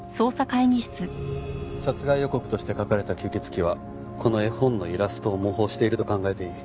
殺害予告として描かれた吸血鬼はこの絵本のイラストを模倣していると考えていい。